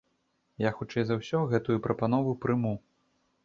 Я хутчэй за ўсё гэтую прапанову прыму.